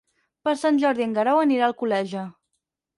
Per Sant Jordi en Guerau anirà a Alcoleja.